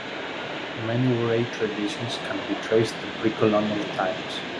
Many Waray traditions can be traced to pre-colonial times.